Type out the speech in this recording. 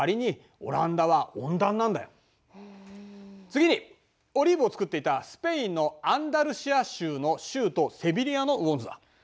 次にオリーブを作っていたスペインのアンダルシア州の州都セビリアの雨温図だ。